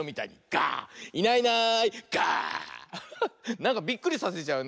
なんかびっくりさせちゃうね。